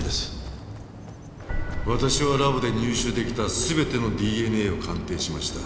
私はラボで入手出来た全てのＤＮＡを鑑定しました。